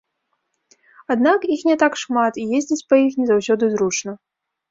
Аднак, іх не так шмат і ездзіць па іх не заўсёды зручна.